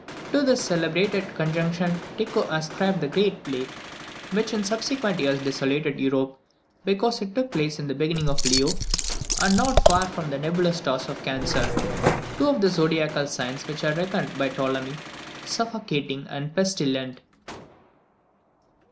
To this celebrated conjunction Tycho ascribed the great plague which in subsequent years desolated Europe, because it took place in the beginning of Leo, and not far from the nebulous stars of Cancer, two of the zodiacal signs which are reckoned by Ptolemy "suffocating and pestilent!"